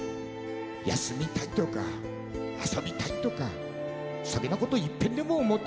「休みたいとか遊びたいとかそげなこといっぺんでも思うてみろ」